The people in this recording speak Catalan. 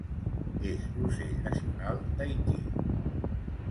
És l'ocell nacional d'Haití.